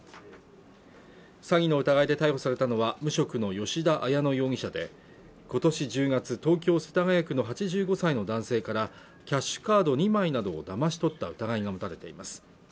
詐欺の疑いで逮捕されたのは無職の吉田彩乃容疑者で今年１０月東京世田谷区の８５歳の男性からキャッシュカード２枚などをだまし取った疑いが持たれています